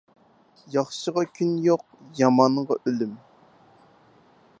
ياخشىغا كۈن يوق، يامانغا ئۆلۈم.